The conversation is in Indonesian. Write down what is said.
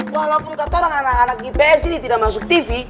walaupun katorang anak anak ips ini tidak masuk tv